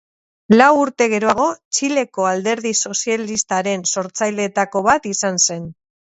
Lau urte geroago Txileko Alderdi Sozialistaren sortzaileetako bat izan zen.